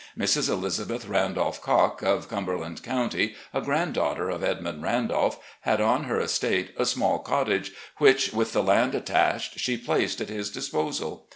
Mrs. Elizabeth Ran dolph Cocke, of Cumberland Coimty, a granddaughter of Edmund Randolph, had on her estate a small cottage which, with the land attached, she placed at his disposal.